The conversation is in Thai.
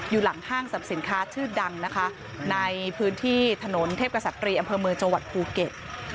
หลังห้างสรรพสินค้าชื่อดังนะคะในพื้นที่ถนนเทพกษัตรีอำเภอเมืองจังหวัดภูเก็ต